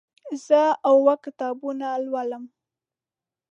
زه اوه کتابونه لولم.